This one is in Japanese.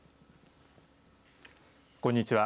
こんにちは。